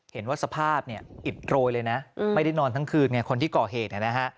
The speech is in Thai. เห็นว่าสภาพเนี่ยอิดโรยเลยนะไม่ได้นอนทั้งคืนไงคนที่ก่อเหตุนะฮะ